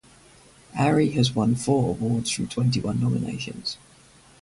Arie has won four awards from twenty-one nominations.